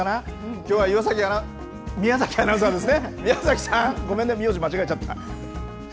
きょうは宮崎アナウンサーですね、宮崎さん、ごめんね、名字間違えちゃった。